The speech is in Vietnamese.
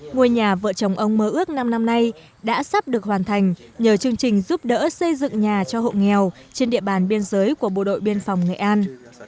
ngôi nhà vợ chồng ông mơ ước năm năm nay đã sắp được hoàn thành nhờ chương trình giúp đỡ xây dựng nhà cho hộ nghèo trên địa bàn biên giới của bộ đội biên phòng nghệ an